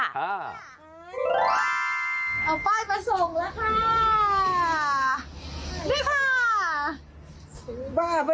เอาป้ายไปส่งแล้วค่ะ